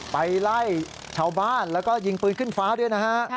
ไปไล่ชาวบ้านแล้วก็ยิงปืนขึ้นฟ้าด้วยนะฮะ